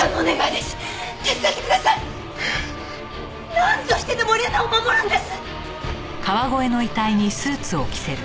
なんとしてでも礼菜を守るんです！